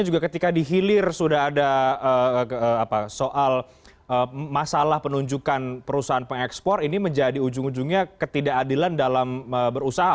juga ketika dihilir sudah ada soal masalah penunjukan perusahaan pengekspor ini menjadi ujung ujungnya ketidakadilan dalam berusaha